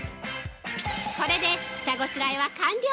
◆これで下ごしらえは完了！